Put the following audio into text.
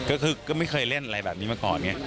ก็คือก็ไม่เคยเล่นอะไรแบบนี้มาก่อนไง